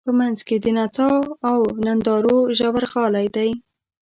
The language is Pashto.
په منځ کې د نڅا او نندارو ژورغالی دی.